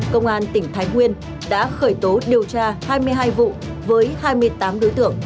công an tỉnh thái nguyên đã khởi tố điều tra hai mươi hai vụ với hai mươi tám đối tượng